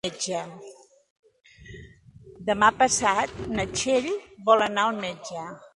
Demà passat na Txell vol anar al metge.